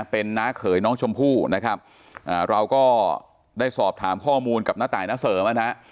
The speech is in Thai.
เป็นน้าเขยน้องชมพู่นะครับเราก็ได้สอบถามข้อมูลกับน้าตายณเสริมนะฮะ